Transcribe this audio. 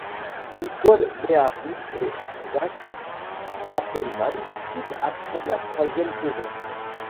Nicole Beharie et Zach Appelman quittent après la troisième saison.